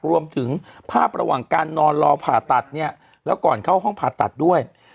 รวมถึงภาพระหว่างการนอนรอผ่าตัดเนี่ยแล้วก่อนเข้าห้องผ่าตัดด้วย